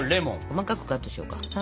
細かくカットしようか。